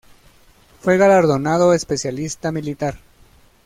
Fue galardonado especialista militar.